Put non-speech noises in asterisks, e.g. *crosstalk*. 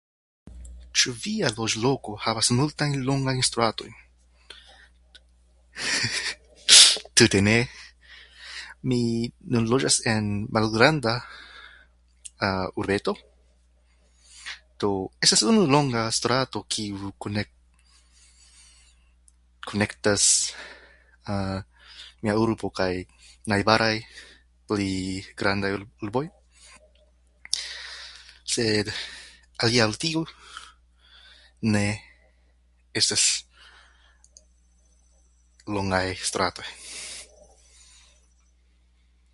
Ĉu via loĝloko havas multajn longajn stratojn? *laughs* tute ne. Mi nun loĝas en malgranda *hesitation* urbeto, do estas unu longa strato kiu konek- konektas *hesitation* mia urbo kaj najbaraj pli grandaj ur- urboj, sed alia ol tiu ne estas longaj stratoj.